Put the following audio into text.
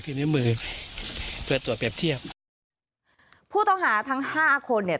นิ้วมือเพื่อตรวจเปรียบเทียบผู้ต้องหาทั้งห้าคนเนี่ย